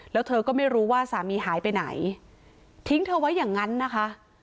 แล้วเธอก็ไม่รู้ว่าสามีหายไปไหนทิ้งเธอไว้อย่างนั้นนะคะ